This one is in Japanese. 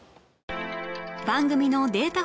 番組のデータ